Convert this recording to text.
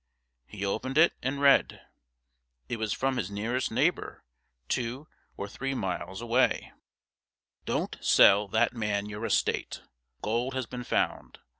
He opened it and read. It was from his nearest neighbour, two or three miles away: Don't sell that man your estate. Gold has been found.